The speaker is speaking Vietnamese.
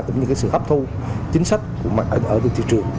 cũng như sự hấp thu chính sách ở thị trường